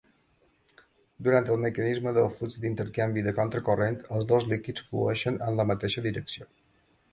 Durant el mecanisme del flux d'intercanvi de contracorrent, els dos líquids flueixen en la mateixa direcció.